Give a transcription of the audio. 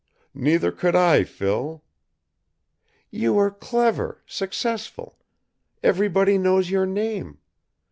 "Neither could I, Phil." "You are clever, successful. Everybody knows your name.